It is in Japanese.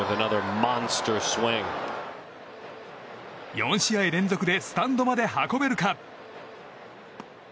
４試合連続でスタンドまで運べるか。